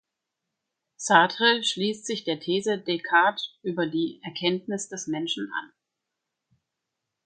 Sartre schließt sich der These Descartes' über die Erkenntnis des Menschen an.